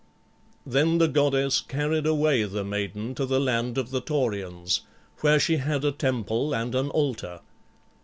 Then the goddess carried away the maiden to the land of the Taurians, where she had a temple and an altar.